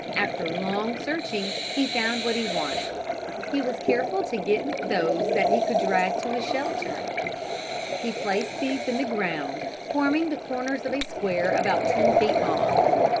After long searching he found what he wanted. He was careful to get those that he could drag to his shelter. He placed these in the ground, forming the corners of a square about ten feet long.